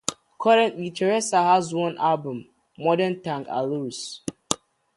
Currently Teresa has one album, "Modern Tang Allures".